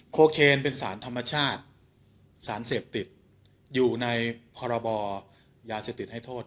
โคเคนเป็นสารธรรมชาติสารเสพติดอยู่ในพรบยาเสพติดให้โทษ